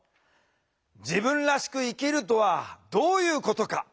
「自分らしく生きるとはどういうことか？」。